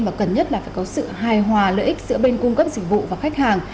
mà cần nhất là phải có sự hài hòa lợi ích giữa bên cung cấp dịch vụ và khách hàng